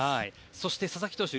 そして、佐々木投手